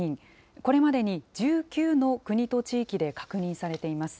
これまでに１９の国と地域で確認されています。